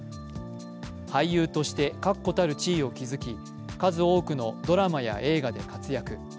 俳優として確固たる地位を築き、数多くのドラマや映画で活躍。